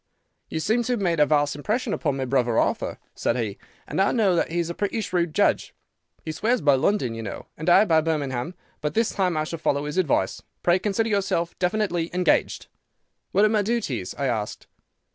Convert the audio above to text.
"'You seem to have made a vast impression upon my brother Arthur,' said he; 'and I know that he is a pretty shrewd judge. He swears by London, you know; and I by Birmingham; but this time I shall follow his advice. Pray consider yourself definitely engaged.' "'What are my duties?' I asked.